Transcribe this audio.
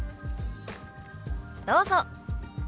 どうぞ。